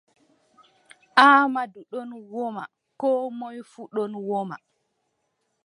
Aamadu ɗon woma Koo moy fuu ɗon woma.